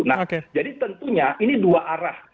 nah jadi tentunya ini dua arah